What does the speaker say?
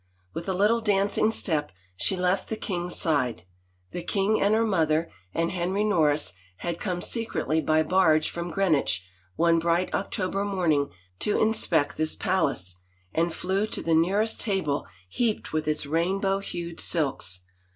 With a little dancing step she left the king's side — the king and her mother and Henry Norris had come secretly by barge from Greenwich one bright Octo ber morning to inspect this palace — and flew to the nearest table heaped with its rainbow hued silks.